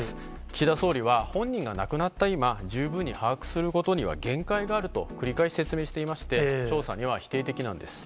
岸田総理は、本人が亡くなった今、十分に把握することには限界があると、繰り返し説明していまして、調査には否定的なんです。